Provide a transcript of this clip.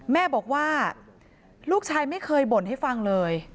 แม่บอกว่าลูกชายไม่เคยบ่นให้ฟังเลย